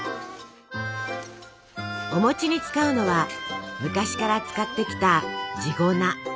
お餅に使うのは昔から使ってきた地粉。